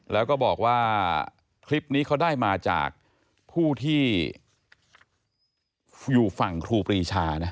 แล้วก็บอกว่าคลิปนี้เขาได้มาจากผู้ที่อยู่ฝั่งครูปรีชานะ